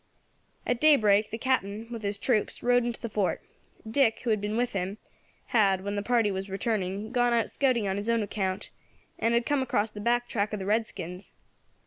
"At daybreak, the Captain, with his troops, rode into the fort. Dick, who had been with him, had, when the party was returning, gone out scouting on his own account, and had come across the back track of the redskins.